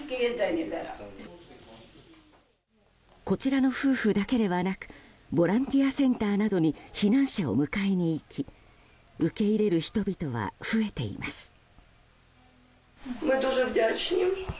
こちらの夫婦だけではなくボランティアセンターなどに避難者を迎えに行き受け入れる人々は増えています。